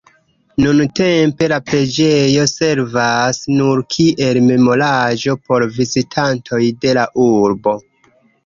Nuntempe la preĝejo servas nur kiel memoraĵo por vizitantoj de la urbo.